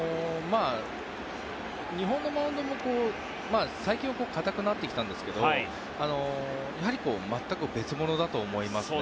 日本のマウンドも最近は硬くなってきたんですけどやはり全く別物だと思いますね。